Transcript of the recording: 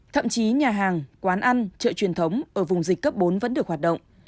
thậm chí nhà hàng quán ăn chợ truyền thống ở vùng dịch cấp bốn vẫn được hoạt động